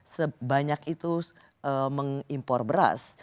sebanyak itu mengimpor beras